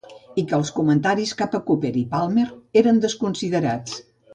i que els comentaris cap a Cooper i Palmer eren desconsiderats.